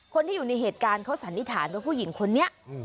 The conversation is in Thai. คนที่อยู่ในเหตุการณ์เขาสันนิษฐานว่าผู้หญิงคนนี้